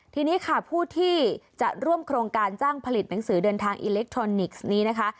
ทีนี้ค่ะผู้ที่จะร่วมโครงการจ้างผลิตหนังสือเดินทางอิเล็กทรอนิกส์นี้นะคะ